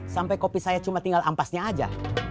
sampai kopi saya cuma tinggal ampasnya aja